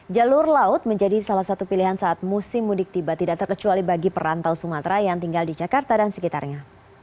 jalur laut menjadi salah satu pilihan saat musim mudik tiba tidak terkecuali bagi perantau sumatera yang tinggal di jakarta dan sekitarnya